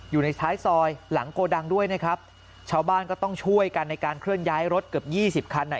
อยู่ในท้ายซอยหลังโกดังด้วยนะครับชาวบ้านก็ต้องช่วยกันในการเคลื่อนย้ายรถเกือบยี่สิบคันอ่ะ